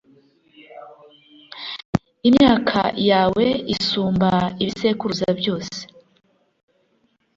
Imyaka yawe isumba ibisekuruza byose